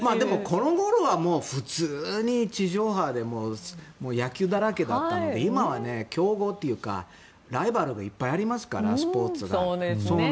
この頃は普通に地上波で野球だらけだったので今は競合というかライバルがいっぱいありますからスポーツが。